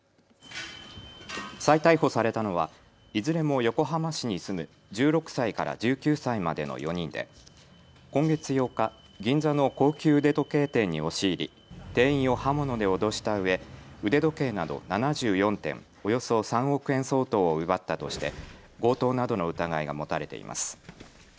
再逮捕されたのはいずれも横浜市に住む１６歳から１９歳までの４人で今月８日、銀座の高級腕時計店に押し入り店員を刃物で脅したうえ腕時計など７４点、およそ３億円相当を奪ったとして強盗などの疑いが持たれています。